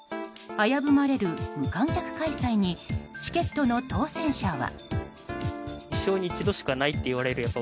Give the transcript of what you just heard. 危ぶまれる無観客開催にチケットの当選者は。